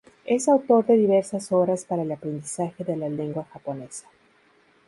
Es autor de diversas obras para el aprendizaje de la lengua japonesa.